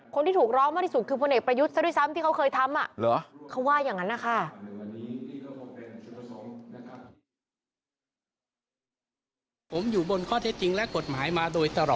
คนที่ถูกร้องมากที่สุดคือพลเอกประยุทธ์ซะด้วยซ้ำที่เขาเคยทำ